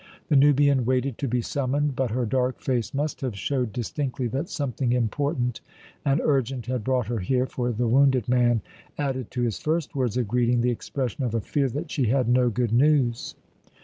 The Nubian waited to be summoned, but her dark face must have showed distinctly that something important and urgent had brought her here, for the wounded man added to his first words of greeting the expression of a fear that she had no good news.